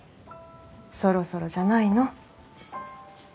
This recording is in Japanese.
そろそろじゃないの？